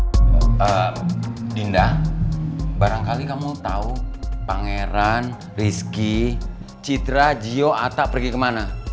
eee dinda barangkali kamu tau pangeran rizky citra gio atta pergi kemana